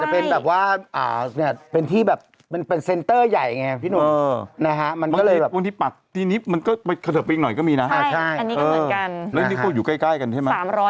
ผมพิวเวิร์ดลุดไปหรือเปล่า